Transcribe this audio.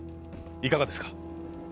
いかがですか？